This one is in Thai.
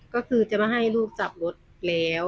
ก็คือจะมาให้ลูกจับรถแล้ว